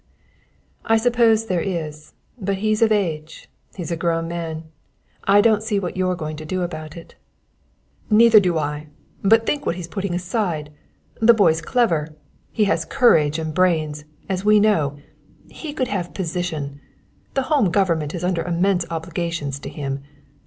"I suppose there is; but he's of age; he's a grown man. I don't see what you're going to do about it." "Neither do I! But think what he's putting aside. The boy's clever he has courage and brains, as we know; he could have position the home government is under immense obligations to him.